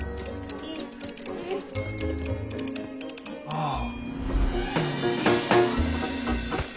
ああ。